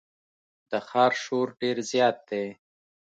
د ښار شور ډېر زیات دی.